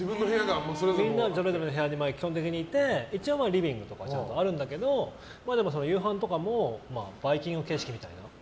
みんなそれぞれの部屋に基本的にいて一応リビングとかちゃんとあるんだけど夕飯とかもバイキング形式みたいな。